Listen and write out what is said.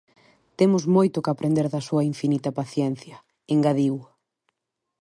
"Temos moito que aprender da súa infinita paciencia", engadiu.